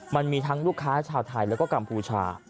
มันมีทั้งลูกค้าชาวไทยแล้วก็กัมพูชา